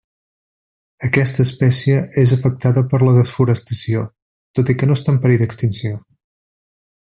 Aquesta espècie és afectada per la desforestació, tot i que no està en perill d'extinció.